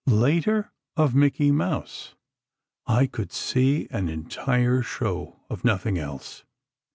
Later, of "Mickey Mouse": "I could see an entire show of nothing else."